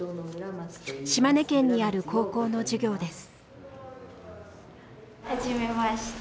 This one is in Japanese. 島根県にある高校の授業です。